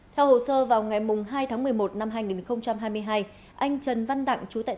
theo hồ sơ vào ngày hai một mươi một hai nghìn hai mươi hai